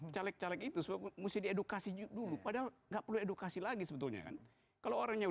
caleg caleg itu sebut muslih edukasi dulu padahal nggak perlu edukasi lagi sebetulnya kalau orangnya